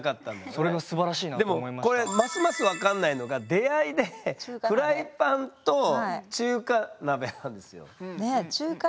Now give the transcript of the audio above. でもこれますます分かんないのが出会いでフライパンと中華鍋なんですよ。